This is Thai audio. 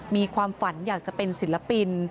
มีความฝันอยากจะเป็นศิลปิน